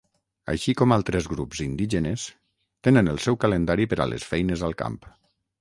Així com altres grups indígenes, tenen el seu calendari per a les feines al camp.